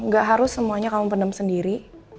gak harus semuanya kamu pendem sendiri